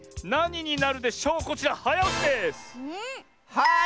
はい！